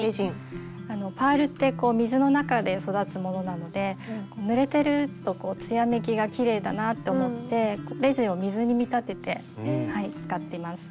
パールって水の中で育つものなのでぬれてるとつやめきがきれいだなと思ってレジンを水に見立てて使ってます。